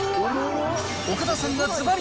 岡田さんがズバリ！